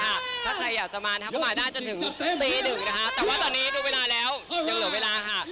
ถ้าใครอยากจะมานะครับก็มาได้จนถึงตีหนึ่งนะคะแต่ว่าตอนนี้ดูเวลาแล้วยังเหลือเวลาค่ะ